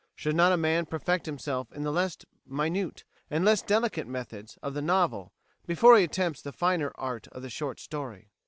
Should not a man perfect himself in the less minute and less delicate methods of the novel before he attempts the finer art of the short story?